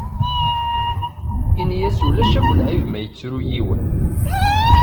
Ini-as Ulac akk lɛib ma yettru yiwen.